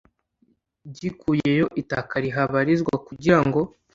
gikuyeyo itaka rihabarizwa kugira ngo